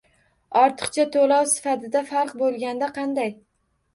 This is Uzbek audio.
Ortiqcha to‘lov sifatida farq bo‘lganda qanday?